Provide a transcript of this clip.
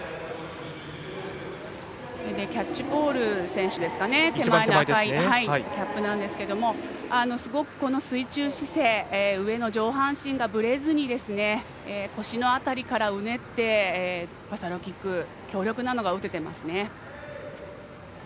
キャッチポール選手赤いキャップなんですけれどもすごく水中姿勢、上半身がぶれず腰の辺りからうねってバサロキック強力なのが打てていますね。